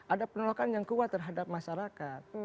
ada penolakan yang kuat terhadap masyarakat